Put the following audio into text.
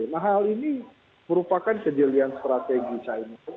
nah hal ini merupakan kejelian strategi caimin